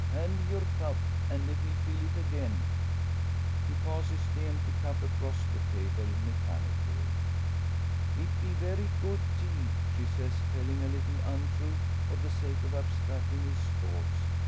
Hand me your cup, an' let me fill it again." He passes the empty cup across the table, mechanically. "It be very good tea," she says, telling a little untruth for the sake of abstracting his thoughts.